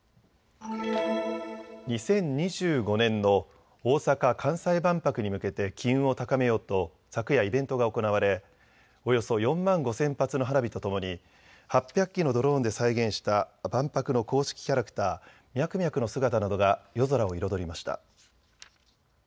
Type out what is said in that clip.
２０２５年の大阪・関西万博に向けて機運を高めようと昨夜、イベントが行われおよそ４万５０００発の花火とともに８００機のドローンで再現した万博の公式キャラクター、ミャクミャクの姿などが夜空を彩りました。